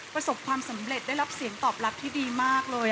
ประสบความสำเร็จได้รับเสียงตอบรับที่ดีมากเลย